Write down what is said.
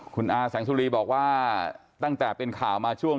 คุณอาแสงสุรีบอกว่าตั้งแต่เป็นข่าวมาช่วง